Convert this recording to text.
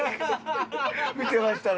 見てましたね。